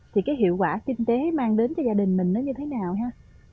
thì cái hiệu quả kinh tế mang đến cho gia đình mình nó như thế nào há